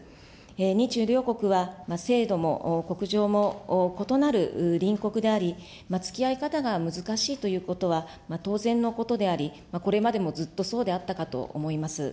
日中両国は制度もこくじょうも異なる隣国であり、つきあい方が難しいということは当然のことであり、これまでもずっとそうであったかと思います。